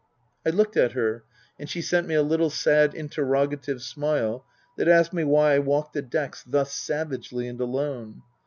I looked at her, and she sent me a little sad interrogative smile that asked me why I walked the decks thus savagely and alone